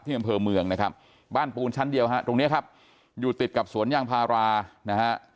อำเภอเมืองนะครับบ้านปูนชั้นเดียวฮะตรงเนี้ยครับอยู่ติดกับสวนยางพารานะฮะ